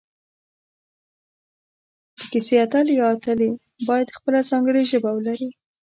د کیسې اتل یا اتلې باید خپله ځانګړي ژبه ولري